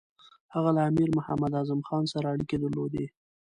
هغه له امیر محمد اعظم خان سره اړیکې درلودې.